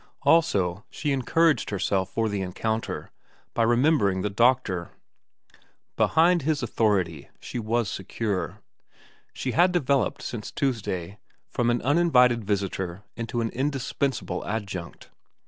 Also, she encouraged herself for the encounter by remembering the doctor. Behind his authority she w^s secure. She had developed, since Tuesday, from an uninvited visitor into an indispensable adjunct.